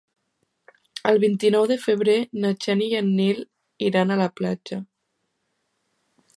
El vint-i-nou de febrer na Xènia i en Nil iran a la platja.